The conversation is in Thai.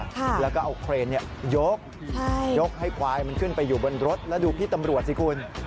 ใช่แล้วก็เอาเครนเนี่ยยกยกให้ควายมันขึ้นไปอยู่บนรถแล้วดูพี่ตำรวจสิคุณ